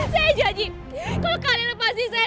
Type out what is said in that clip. saya janji kalau kalian lepasin saya